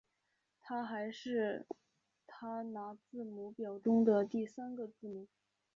它还是它拿字母表中的第三个字母。